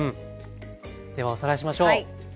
ではおさらいしましょう。